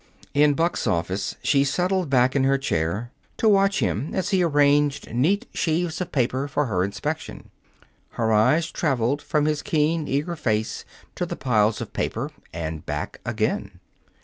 In Buck's office, she settled back in her chair to watch him as he arranged neat sheaves of papers for her inspection. Her eyes traveled from his keen, eager face to the piles of paper and back again.